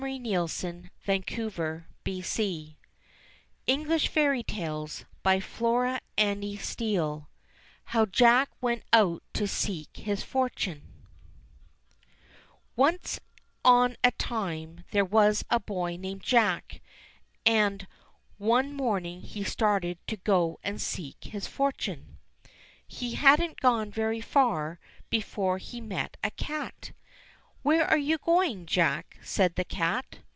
¥ y#V^ Z ^^^ i JIGGEIXY JOIX HOW JACK WENT OUT TO SEEK HIS FORTUNE ONCE on a time there was a boy named Jack, and one morning he started to go and seek his fortune. He hadn't gone very far before he met a cat. "Where are you going, Jack?" said the cat.